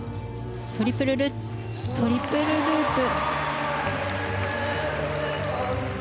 トリプルルッツトリプルループ。